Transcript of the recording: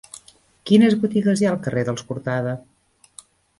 Quines botigues hi ha al carrer dels Cortada?